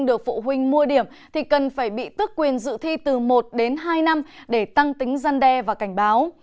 được phụ huynh mua điểm thì cần phải bị tức quyền dự thi từ một đến hai năm để tăng tính gian đe và cảnh báo